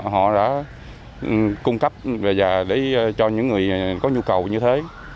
họ đã cung cấp bây giờ để cho những người có nhu cầu như thế